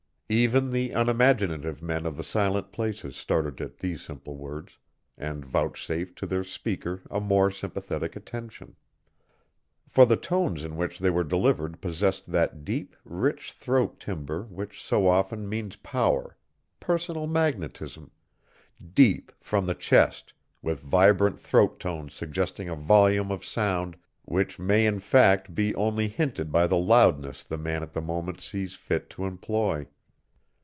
Even the unimaginative men of the Silent Places started at these simple words, and vouchsafed to their speaker a more sympathetic attention. For the tones in which they were delivered possessed that deep, rich throat timbre which so often means power personal magnetism deep, from the chest, with vibrant throat tones suggesting a volume of sound which may in fact be only hinted by the loudness the man at the moment sees fit to employ.